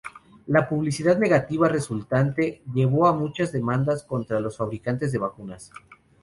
La publicidad negativa resultante llevó a muchas demandas contra los fabricantes de vacunas.